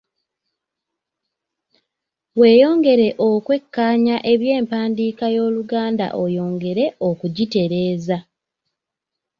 Weeyongere okwekkaanya eby’empandiika y’Oluganda oyongere okugitereeza.